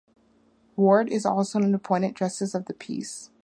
Ward is also an appointed Justice of the Peace.